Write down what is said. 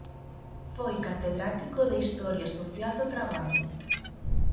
Foi catedrático de Historia Social do Traballo.